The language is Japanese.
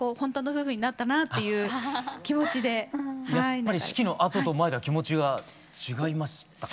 やっぱり式の後と前では気持ちが違いましたか？